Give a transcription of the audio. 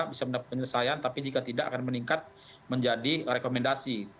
bisa mendapat penyelesaian tapi jika tidak akan meningkat menjadi rekomendasi